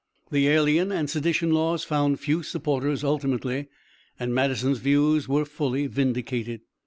The alien and sedition laws found few supporters ultimately, and Madison's views were fully vindicated.